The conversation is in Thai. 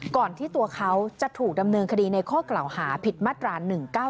ก่อนที่ตัวเขาจะถูกดำเนินคดีในข้อกล่าวหาผิดมาตรา๑๙๑